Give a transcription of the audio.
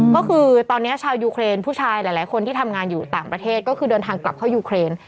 ก็คือตอนนี้ชาวยูเครนผู้ชายหลายคนที่ทำงานอยู่ต่างประเทศก็คือเดินทางกลับเข้ายูเครน